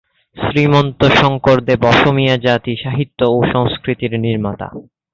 শ্রীমন্ত শঙ্করদেব অসমীয়া জাতি-সাহিত্য ও সংস্কৃতির নির্মাতা।